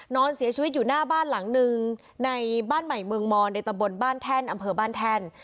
นอนเสียชีวิตอยู่หน้าบ้านหลังหนึ่งในบ้านใหม่เมืองมอนในตำบลบ้านแท่นอำเภอบ้านแท่น